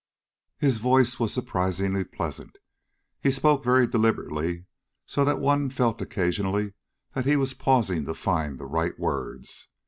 His voice was surprisingly pleasant. He spoke very deliberately, so that one felt occasionally that he was pausing to find the right words.